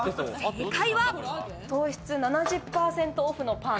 正解は糖質７０％オフのパン。